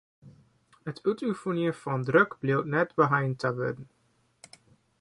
It útoefenjen fan druk bliuwt net beheind ta wurden.